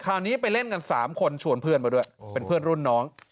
คราวนี้ไปเล่นกัน๓คนชวนเพื่อนมาด้วยเป็นเพื่อนรุ่นน้อง